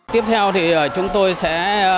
tiếp theo thì chúng tôi sẽ